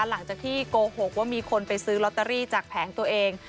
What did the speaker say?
หลังจากที่โกหกว่ามีคนไปซื้อลอตเตอรี่จากแผงตัวเอง